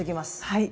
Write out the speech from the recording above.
はい。